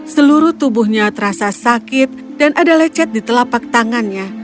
seluruh tubuhnya terasa sakit dan ada lecet di telapak tangannya